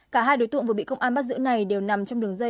cả hai đối tượng vừa bị công an bắt giữ này đều nằm trong đường dây